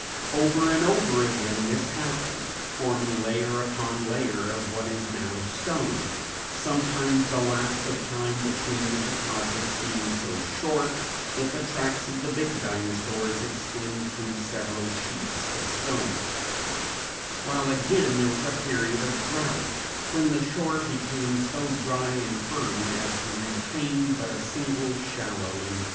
Over and over again this happened, forming layer upon layer of what is now stone, sometimes the lapse of time between the deposits being so short that the tracks of the big Dinosaurs extend through several sheets of stone; while again there was a period of drouth when the shore became so dry and firm as to retain but a single shallow impression.